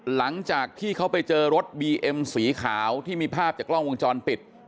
หลังจากที่เขาไปเจอรถบีเอ็มสีขาวที่มีภาพจากกล้องวงจรปิด